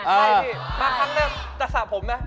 ใช่สิมาครั้งแรกจะสระผมไหม